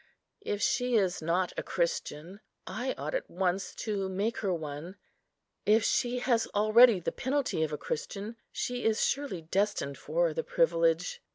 If she is not a Christian, I ought at once to make her one. If she has already the penalty of a Christian, she is surely destined for the privilege.